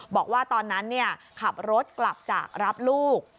บอกว่าตอนนั้นขับรถกลับจากรับลูก